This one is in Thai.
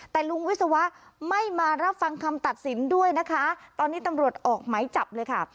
แต่ลุงวิศวะไม่มารับฟังคำตัดสินด้วยนะคะตอนนี้ตำรวจออกไหมจับเลยค่ะ